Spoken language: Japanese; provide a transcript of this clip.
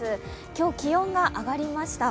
今日、気温が上がりました。